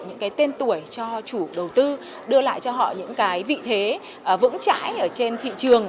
những cái tên tuổi cho chủ đầu tư đưa lại cho họ những cái vị thế vững chãi ở trên thị trường